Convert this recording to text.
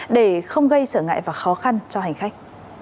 để không gây trở ngại và khó khăn cho hành khách